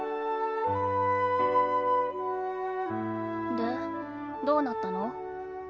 でどうなったの？